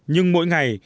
nhưng mỗi ngày